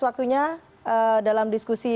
waktunya dalam diskusi